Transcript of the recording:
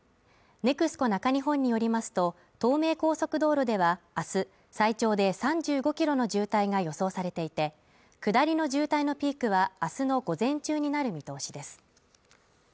ＮＥＸＣＯ中日本によりますと、東名高速道路では明日最長で３５ｋｍの渋滞が予想されていて下りの渋滞のピークは明日の午前中になる見込みです。